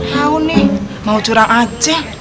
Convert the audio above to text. mau nih mau curang aceh